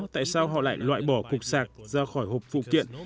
tại sao họ lại loại bỏ cục sạc ra khỏi hộp phụ kiện